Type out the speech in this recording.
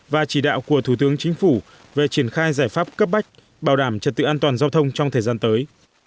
và chỉ đạo của thủ tướng chính phủ về triển khai giải pháp cấp bách bảo đảm trật tự an toàn giao thông trong thời gian tới